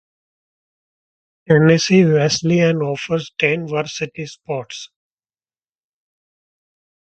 Tennessee Wesleyan offers ten varsity sports.